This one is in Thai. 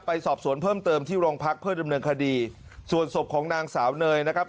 ไปสอบสวนเพิ่มเติมที่โรงพักเพื่อดำเนินคดีส่วนศพของนางสาวเนยนะครับ